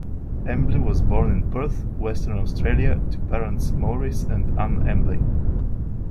Embley was born in Perth, Western Australia, to parents Maurice and Anne Embley.